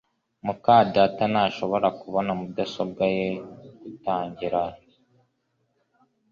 muka data ntashobora kubona mudasobwa ye gutangira